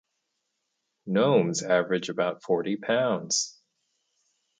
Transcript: Gnomes average about forty pounds.